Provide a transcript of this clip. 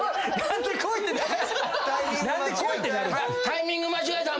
タイミング間違えた。